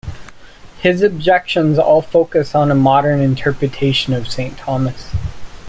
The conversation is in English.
His objections all focus on a modern interpretation of Saint Thomas.